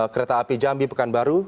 kereta api jambi pekanbaru